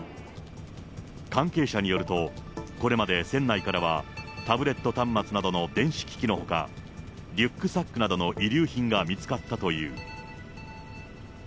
関係者によると、これまで船内からは、タブレット端末などの電子機器のほか、リュックサックなどの遺留品が見つかったという。